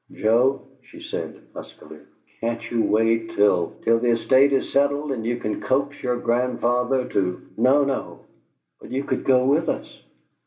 "Joe," she said, huskily, "can't you wait till " "Till the estate is settled and you can coax your grandfather to " "No, no! But you could go with us."